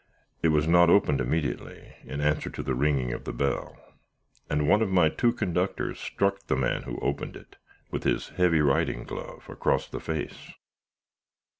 It was not opened immediately, in answer to the ringing of the bell, and one of my two conductors struck the man who opened it, with his heavy riding glove, across the face.